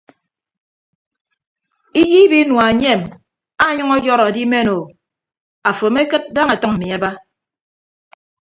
Iyiib inua enyem anyʌñ ọyọrọ adimen o afo amekịd daña atʌñ mmi aba.